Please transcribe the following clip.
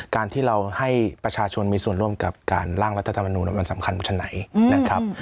การที่เราให้ประชาชนมีส่วนร่วมกับการล่างรัฐธรรมนูลมันสำคัญขนาดไหนนะครับ